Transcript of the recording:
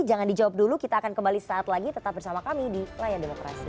jangan dijawab dulu kita akan kembali saat lagi tetap bersama kami di layar demokrasi